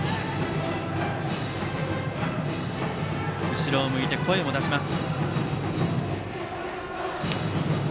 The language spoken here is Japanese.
後ろを向いて声を出します。